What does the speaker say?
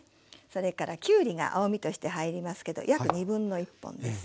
それからきゅうりが青みとして入りますけど約1/2本です。